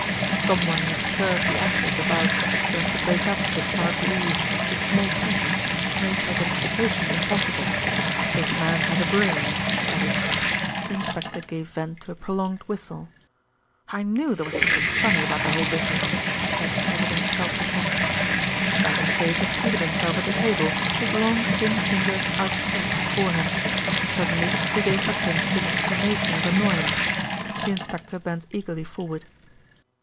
"Someone has stirred the ashes about so as to break up the charred leaves into small pieces to make identification impossible. This man has a brain," he added. The inspector gave vent to a prolonged whistle. "I knew there was something funny about the whole business," he said as if in self defence. Malcolm Sage had seated himself at the table, his long thin fingers outspread before him. Suddenly he gave utterance to an exclamation of annoyance. The inspector bent eagerly forward.